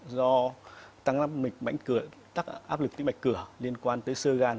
do tăng áp lực tĩ mạch cửa liên quan tới sơ gan